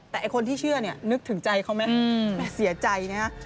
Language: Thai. แต่คนที่เชื่อนี่นึกถึงใจเค้าไหมแม่เสียใจนะครับ